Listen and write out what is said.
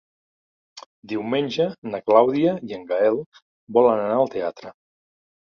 Diumenge na Clàudia i en Gaël volen anar al teatre.